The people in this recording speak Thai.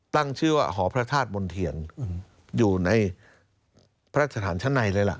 ตั้งชื่อว่าหอพระธาตุมนเทียนอยู่ในพระราชฐานชั้นในเลยล่ะ